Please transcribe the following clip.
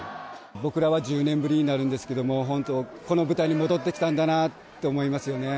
僕らは１０年ぶりになるんですけれども、本当、この舞台に戻ってきたんだなと思いますよね。